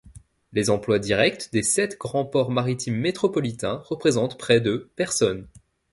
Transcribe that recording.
Les emplois directs des sept grands ports maritimes métropolitains représentent près de personnes.